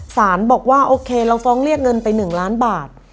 สารบอกว่าโอเคเราฟ้องเรียกเงินไป๑ล้านบาท